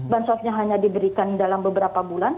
bansosnya hanya diberikan dalam beberapa bulan